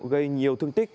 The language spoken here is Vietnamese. gây nhiều thương tích